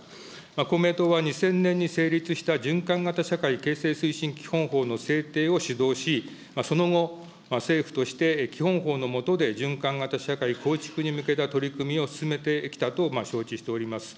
公明党は２０００年に成立した循環型社会形成推進基本法の制定を主導し、その後、政府として基本法の下で、循環型社会構築に向けた取り組みを進めてきたと承知しております。